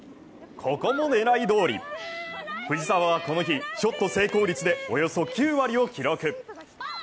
ここも狙いどおり藤澤はこの日、ショット成功率でおよそ９割を記録。